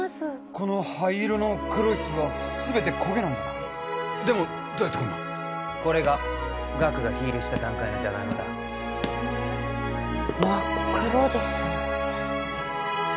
この灰色の黒い粒は全て焦げなんだなでもどうやってこんなこれが岳が火入れした段階のじゃがいもだ真っ黒です